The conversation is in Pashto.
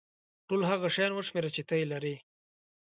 ټول هغه شیان وشمېره چې ته یې لرې.